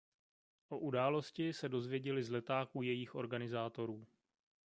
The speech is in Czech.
O události se dozvěděli z letáků jejích organizátorů.